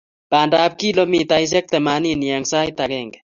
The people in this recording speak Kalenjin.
Bandap kilomitaisiek temanini eng sait agenge